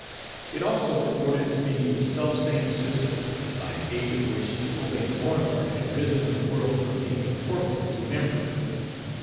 It also purported to be the selfsame system, by aid of which Napoleon Bonaparte had risen in the world from being a corporal to an emperor.